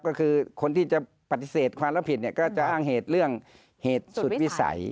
ก็คือคนที่จะปฏิเสธความรับผิดเนี่ยก็จะอ้างเหตุเรื่องเหตุสุดวิสัย